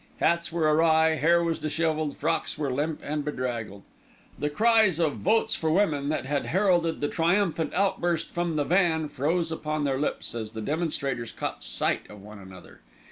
Hats were awry, hair was dishevelled, frocks were limp and bedraggled. The cries of "Votes for Women" that had heralded the triumphant outburst from the van froze upon their lips as the demonstrators caught sight of one another.